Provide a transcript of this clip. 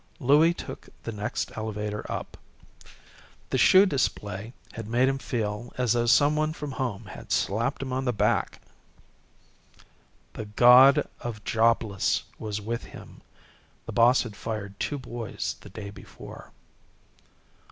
Louie took the next elevator up. The shoe display had made him feel as though some one from home had slapped him on the back. The God of the Jobless was with him. The boss had fired two boys the day before.